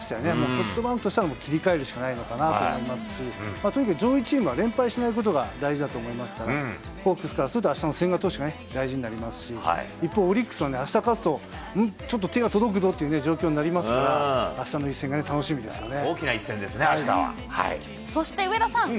ソフトバンクとしては、切り替えるしかないのかなと思いますし、とにかく上位チームは連敗しないことが大事だと思いますから、ホークスからすればあすの千賀投手が大事になりますし、一方、オリックスはあした勝つと、ちょっと手が届くぞという状況になりますから、あしたの一戦が楽しみですよね。